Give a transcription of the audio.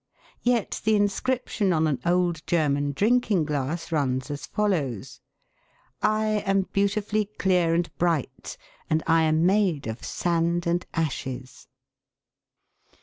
Yet the inscription on an old German drinking glass runs as follows :" I am beautifully clear and bright, and I am made of sand and ashes."